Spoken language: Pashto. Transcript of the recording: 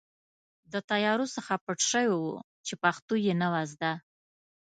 د طیارو څخه پټ شوي وو چې پښتو یې نه وه زده.